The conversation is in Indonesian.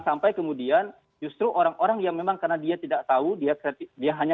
sampai kemudian justru orang orang yang memang karena dia tidak tahu dia kreatif dia hanya